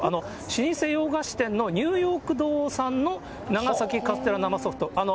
新生洋菓子店のニューヨーク堂さんの長崎カステラ生ソフト。